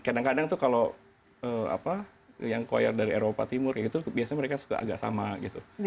kadang kadang tuh kalau yang koir dari eropa timur ya itu biasanya mereka suka agak sama gitu